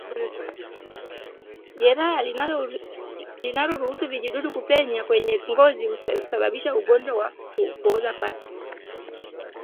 Jeraha linaloruhusu vijidudu kupenya kwenye ngozi husababisha ugonjwa wa kuoza kwato